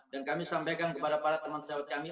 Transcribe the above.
dan kami sampaikan kepada para teman sejawat kami